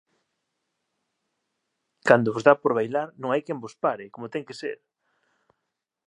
Cando vos dá por bailar non hai quen vos pare, como ten que ser.